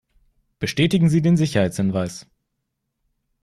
Bestätigen Sie den Sicherheitshinweis.